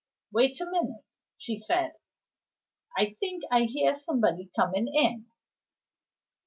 "Wait a minute," she said; "I think I hear somebody coming in."